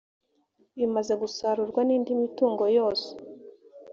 bimaze gusarurwa n indi mitungo yose